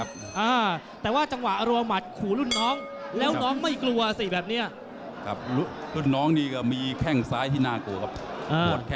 สอนหน้านี้นี่อรัวมัติขู่ลุ่นน้องมุมแดงที่เห็นแล้วครับสอนหน้านี้นี่อรัวมัติเป็นประทัดจุดจีนเลยนะพี่ชัยนะ